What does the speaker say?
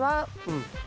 うん。